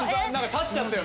立っちゃったよ